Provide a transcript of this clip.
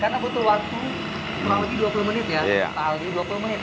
karena butuh waktu kurang lebih dua puluh menit ya